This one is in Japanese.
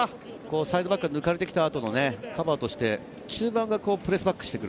サイドバック抜かれてきたあとのカバーとして、中盤がプレスバックしてくる。